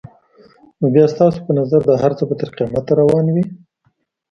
نو بیا ستا په نظر دا هر څه به تر قیامته روان وي؟